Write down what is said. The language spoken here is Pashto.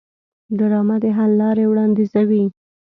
ډرامه د حل لارې وړاندیزوي